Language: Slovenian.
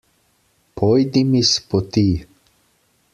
Pojdi mi s poti!